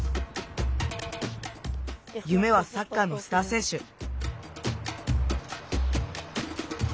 ゆめはサッカーのスターせん手。